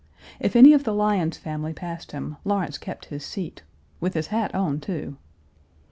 If any of the Lyons family passed him. Lawrence kept his seat, with his hat on, too.